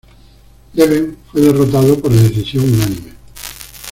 Leben fue derrotado por decisión unánime.